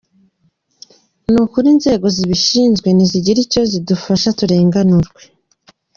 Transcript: Ni ukuri inzego zibishinzwe nizigire icyo zidufasha turenganurwe”